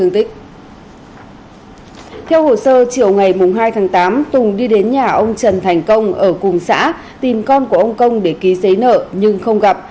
theo hồ sơ chiều ngày hai tháng tám tùng đi đến nhà ông trần thành công ở cùng xã tìm con của ông công để ký giấy nợ nhưng không gặp